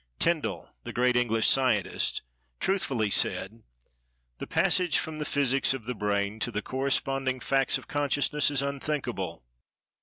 Tyndall, the great English scientist, truthfully said, "the passage from the physics of the brain, to the corresponding facts of consciousness, is unthinkable.